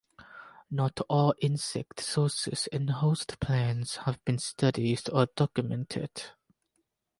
Not all insect sources and host plants have been studied or documented.